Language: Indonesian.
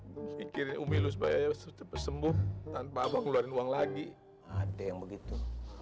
pikir umilu sebaya seperti pesembuh tanpa bangun uang lagi ada yang begitu